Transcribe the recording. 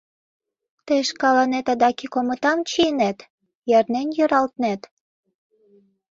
Тый шкаланет адак ик омытам чийынет, ярнен йӧралтнет?